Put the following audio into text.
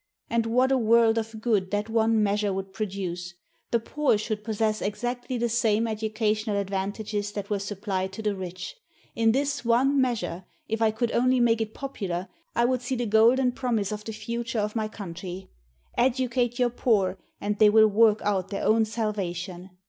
And what a world of good that one measure would produce! The poor should possess exactly the same educational advantages that were supplied to the rich. In this one measure, if I could only make it popular, I would see the golden promise of the future of my country. "Educate your poor and they will work out their own salvation.